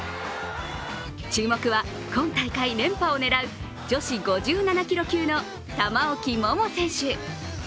注目は今大会連覇を狙う女子５７キロ級の玉置桃選手。